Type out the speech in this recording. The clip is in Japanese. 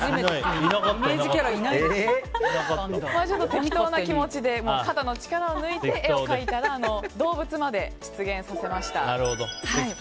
てきとな気持ちで肩の力を抜いて描いたら動物まで出現させました。